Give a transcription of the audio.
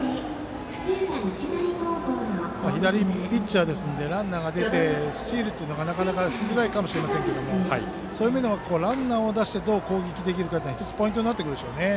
左ピッチャーですのでランナーが出てスチールというのがなかなかしづらいかもしれませんがそういう面でもランナーを出してどう攻撃できるかが１つポイントになってきますね。